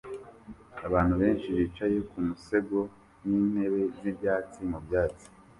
Abantu benshi bicaye ku musego n'intebe z'ibyatsi mu byatsi